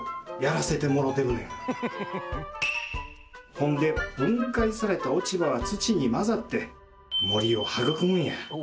ほんで分解された落ち葉は土に混ざって森を育むんや。